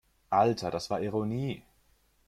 Alter, das war Ironie!